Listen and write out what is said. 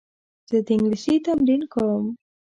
زه د انګلیسي تمرین کوم.